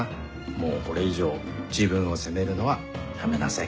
もうこれ以上自分を責めるのはやめなさい。